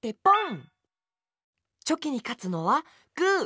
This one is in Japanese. チョキにかつのはグー！